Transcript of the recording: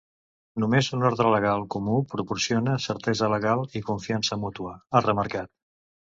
Només un ordre legal comú proporciona certesa legal i confiança mútua, ha remarcat.